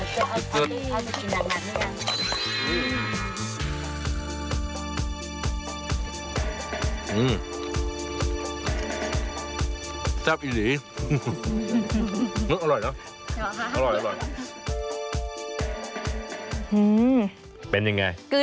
ชิคกี้พีอาจจะกินหนักด้วยนะครับ